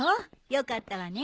よかったわね。